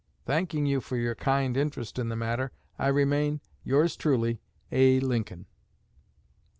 Thanking you for your kind interest in the matter, I remain, Yours truly, A. LINCOLN.